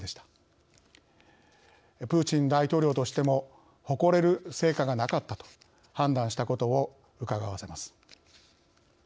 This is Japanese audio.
プーチン大統領としても誇れる「成果」がなかったと判断したことをうかがわせます。